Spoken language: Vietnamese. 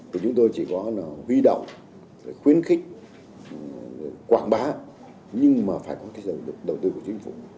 chúng tôi chỉ có huy động khuyến khích quảng bá nhưng mà phải có đầu tư của chính phủ